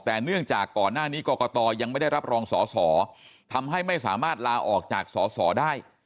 แต่เนื่องจากก่อนหน้านี้กรกตยังไม่ได้รับรองสอสอทำให้ไม่สามารถลาออกจากสอสอได้